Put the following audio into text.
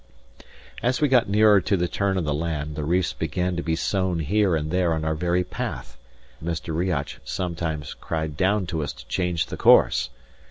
As we got nearer to the turn of the land the reefs began to be sown here and there on our very path; and Mr. Riach sometimes cried down to us to change the course.